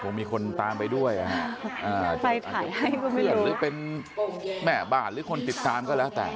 โหมีคนตามไปด้วยอ่ะใครถ่ายให้ก็ไม่รู้หรือเป็นแหมบาทหรือคนติดตามก็แล้วแต่